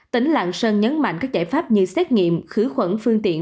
tỉnh lạng sơn nhấn mạnh các giải pháp như xét nghiệm khử khuẩn phương tiện